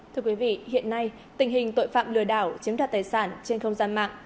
thưa quý vị hiện nay tình hình tội phạm lừa đảo chiếm đoạt tài sản trên không gian mạng